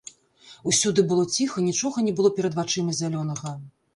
Усюды было ціха, нічога не было перад вачыма зялёнага.